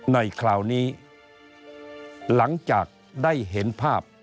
ในคราวนี้หลังจากได้เห็นภาพ